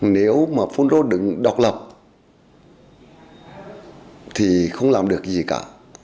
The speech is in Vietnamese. nếu mà phun rô đứng độc lập thì không làm được gì cả